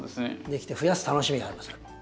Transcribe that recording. できてふやす楽しみがありますよね。